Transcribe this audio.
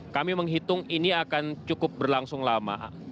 kami menghitung ini akan cukup berlangsung lama